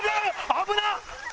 危なっ！